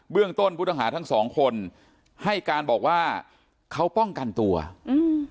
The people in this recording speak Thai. เรื่องต้นผู้ต้องหาทั้งสองคนให้การบอกว่าเขาป้องกันตัวอืม